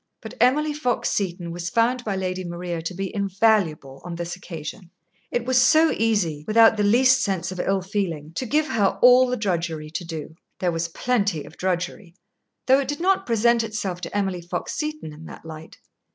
But Emily Fox Seton was found by Lady Maria to be invaluable on this occasion. It was so easy, without the least sense of ill feeling, to give her all the drudgery to do. There was plenty of drudgery, though it did not present itself to Emily Fox Seton in that light.